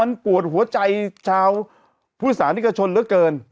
มันปวดหัวใจชาวพุทธศาสนิกชนเหลือเกิน